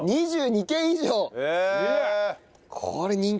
２２件以上！